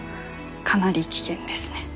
かなり危険ですね。